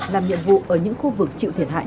làm nhiệm vụ ở những khu vực chịu thiệt hại